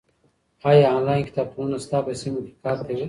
ایا آنلاین کتابتونونه ستا په سیمه کې کار کوي؟